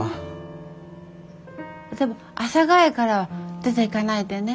でも阿佐ヶ谷からは出ていかないでね。